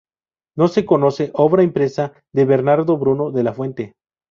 No se conoce obra impresa de Bernardo Bruno de la Fuente.